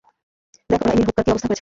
দেখ ওরা Emil Hupkar কি অবস্থা করেছে।